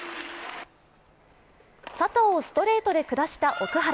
佐藤をストレートで下した奥原。